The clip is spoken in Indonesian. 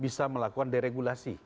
bisa melakukan deregulasi